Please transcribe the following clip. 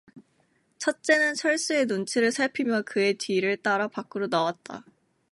첫째는 철수의 눈치를 살피며 그의 뒤를 따라 밖으로 나왔다.